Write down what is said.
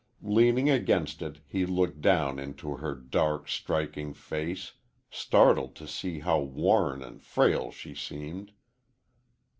Leaning against it, he looked down into her dark, striking face, startled to see how worn and frail she seemed.